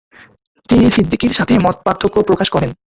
তিনি সিদ্দিকির সাথে মতপার্থক্য প্রকাশ করেন।